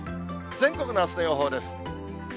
全国のあすの予報です。